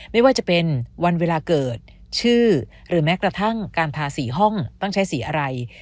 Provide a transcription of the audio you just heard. ไม่ว่าจะเป็นวันเวลาเกิดชื่อหรือแม้กระทั่งการทาสีห้องต้องใช้สีอะไร